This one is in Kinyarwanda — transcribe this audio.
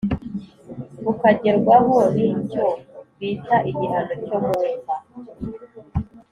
bukagerwaho n’icyo bita igihano cyo mu mva